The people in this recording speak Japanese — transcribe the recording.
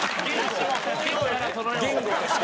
言語として。